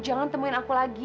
jangan temuin aku lagi